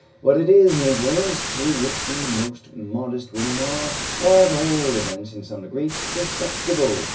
But it is an influence to which the most modest women are, at all events in some degree, susceptible.